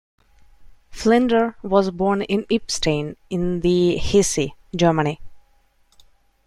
Fliedner was born in Eppstein in the Hesse, Germany.